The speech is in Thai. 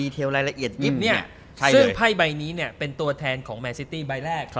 ซึ่งให้ใบนี้เนี่ยเป็นตัวแทนของแมนซิตตี้ใบแรก